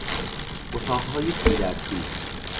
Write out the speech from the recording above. اتاقهای تودرتو